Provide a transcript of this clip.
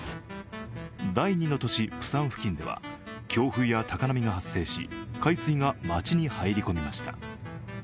第２の都市プサン付近では強風や高波が発生し海水が街に入り込みました。